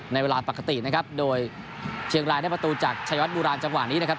เวลาปกตินะครับโดยเชียงรายได้ประตูจากชายวัดโบราณจังหวะนี้นะครับ